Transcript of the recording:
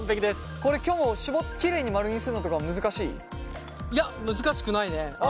これきょもきれいに丸にするのとか難しい？いや難しくないね。